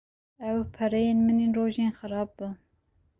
Ew pereyên min ên rojên xerab bûn.